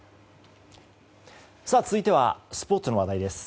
続いてはスポーツの話題です。